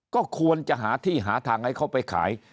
ก็ควรจะหาที่หาทางให้เขาไปขาย